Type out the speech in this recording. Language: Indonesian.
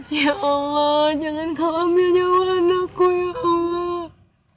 ya allah jangan kau ambil nyawa anakku ya allah